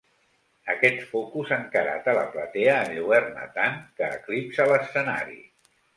Aquest focus encarat a la platea enlluerna tant, que eclipsa l'escenari!